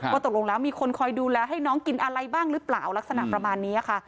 ตกลงแล้วมีคนคอยดูแลให้น้องกินอะไรบ้างหรือเปล่าลักษณะประมาณนี้ค่ะ